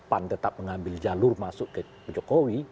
pan tetap mengambil jalur masuk ke jokowi